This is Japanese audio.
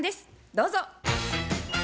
どうぞ。